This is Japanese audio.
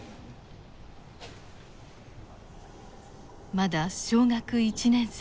まだ小学１年生。